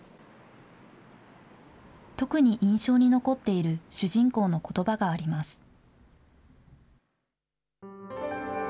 特に印象に残っている主人公のことばがあります。